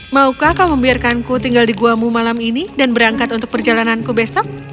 maukah kau membiarkanku tinggal di guamu malam ini dan berangkat untuk perjalananku besok